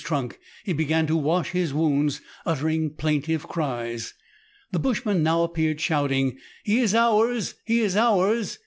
87 trunk, he began to wash his wounds, uttering plaintive cries. The bushman now appeared, shouting, " He is ours, he is ours!"